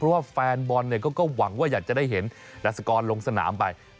เพราะว่าแฟนบอลก็หวังว่าอยากจะได้เห็นนัสกรลงสนามไป